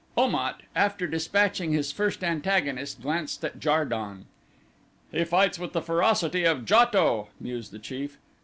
Om at, after dispatching his first antagonist, glanced at Jar don. "He fights with the ferocity of JATO," mused the chief.